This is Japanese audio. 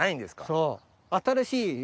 そう。